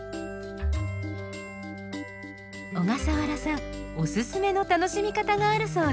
小笠原さんおすすめの楽しみ方があるそうです。